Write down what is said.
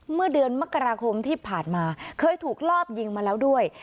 เมื่อเดือนมกราคมที่ผ่านมาเคยถูกลอบยิงมาแล้วด้วย